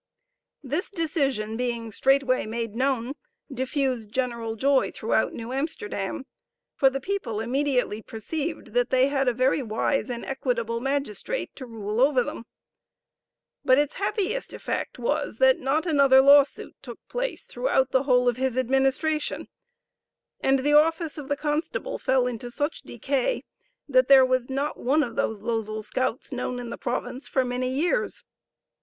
This decision being straightway made known, diffused general joy throughout New Amsterdam, for the people immediately perceived that they had a very wise and equitable magistrate to rule over them. But its happiest effect was, that not another lawsuit took place throughout the whole of his administration and the office of constable fell into such decay, that there was not one of those losel scouts known in the province for many years.